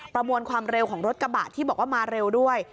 ประมวลความเร็วของรถกระบะที่บอกว่ามาเร็วด้วย